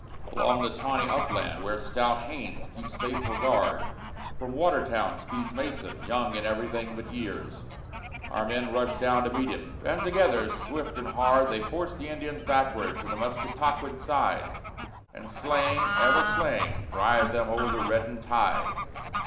Along the tawny upland where stout Haynes keeps faithful guard From Watertown speeds Mason, young in everything but years; Our men rush down to meet him; then, together, swift and hard, They force the Indians backward to the Musketaquid's side, And slaying, ever slaying, drive them o'er the reddened tide.